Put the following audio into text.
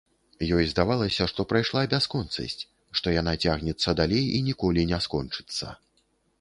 Ёй здавалася, што прайшла бясконцасць, што яна цягнецца далей і ніколі не скончыцца.